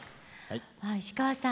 石川さん。